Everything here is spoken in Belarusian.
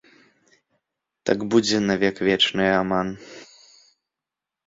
Так будзе на век вечныя аман!